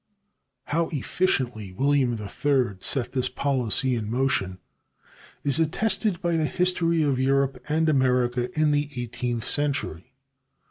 How efficiently William III set this policy in motion is attested by the history of Europe and America in the eighteenth century.